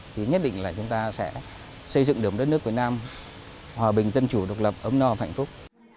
thì nhất định là chúng ta sẽ xây dựng được một đất nước việt nam hòa bình tân chủ độc lập ấm no và hạnh phúc